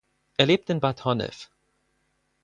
Er lebt in Bad Honnef.